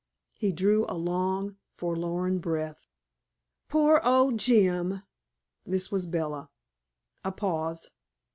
He drew a long, forlorn breath. "Poor old Jim!" This was Bella. A pause.